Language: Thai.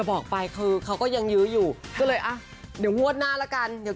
ไม่กลัวแล้วเดี๋ยวกินข้าว